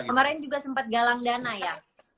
kemarin juga sempat galang dana ya